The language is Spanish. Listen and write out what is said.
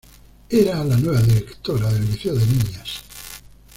Era la nueva directora del liceo de niñas.